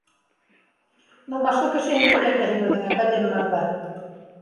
Ну башлы кешеһең икән дә һин үҙең, академ мырҙа